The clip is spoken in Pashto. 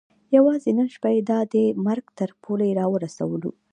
یوازې نن شپه یې دا دی د مرګ تر پولې را ورسولو.